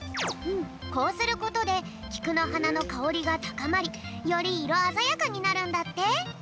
こうすることできくのはなのかおりがたかまりよりいろあざやかになるんだって。